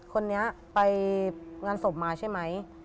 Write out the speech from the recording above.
คนนี้ไปงานศพมาใช่ไหม